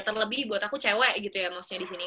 terlebih buat aku cewek gitu ya maksudnya di sini